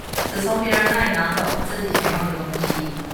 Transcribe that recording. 只從別人那裡拿走自己想要的東西